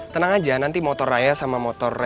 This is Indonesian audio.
tenang aja nanti motor raya sama motor